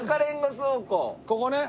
ここね。